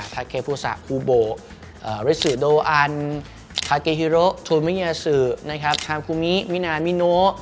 ทาเกฟูซาฮูโบริสุโดอันทาเกฮิโรทูมิยาซือทามคูมิมินามิโน้